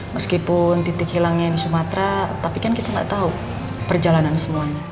meskipun titik hilangnya di sumatera tapi kan kita nggak tahu perjalanan semuanya